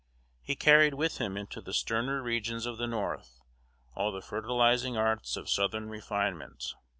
He carried with him into the sterner regions of the north, all the fertilizing arts of southern refinement.